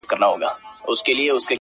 ستا پر ځنگانه اكثر~